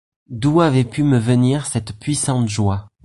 D’où avait pu me venir cette puissante joie?